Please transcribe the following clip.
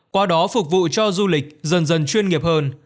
qua đó phục vụ cho du lịch dần dần chuyên nghiệp hơn